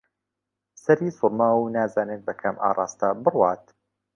سەری سووڕماوە و نازانێت بە کام ئاراستە بڕوات